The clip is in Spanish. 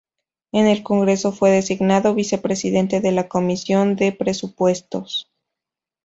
En el Congreso, fue designado vicepresidente de la Comisión de Presupuesto.